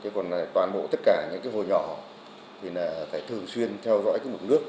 còn toàn bộ tất cả những hồ nhỏ thì phải thường xuyên theo dõi mực nước